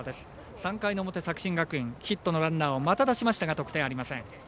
３回の表、作新学院ヒットのランナーをまた出しましたが得点ありません。